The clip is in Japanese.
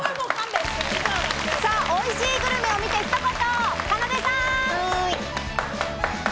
おいしいグルメを見て一言。